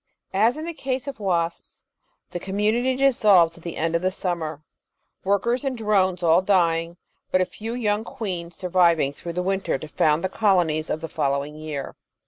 As in the case of wasps, the community dissolves at the end of the summer, workers and drones all dying, but a few young queens surviving through the winter to found the colonies of the following year.